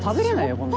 こんなの。